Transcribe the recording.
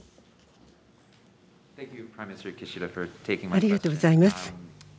ありがとうございます。